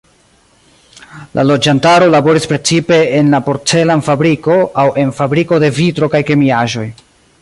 La loĝantaro laboris precipe en la porcelan-fabriko aŭ en fabriko de vitro kaj kemiaĵoj.